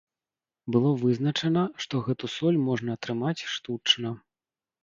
Было вызначана, што гэту соль можна атрымаць штучна.